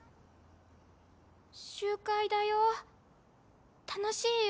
集会だよ楽しいよ。